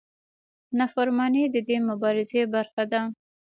نافرماني د دې مبارزې برخه ده.